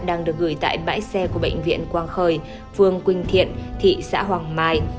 đang được gửi tại bãi xe của bệnh viện quang khởi phường quỳnh thiện thị xã hoàng mai